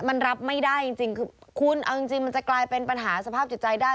มันรับไม่ได้จริงคือคุณเอาจริงมันจะกลายเป็นปัญหาสภาพจิตใจได้